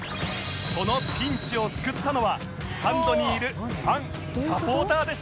そのピンチを救ったのはスタンドにいるファン・サポーターでした！